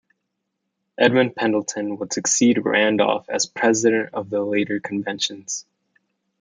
Edmund Pendleton would succeed Randolph as president of the later conventions.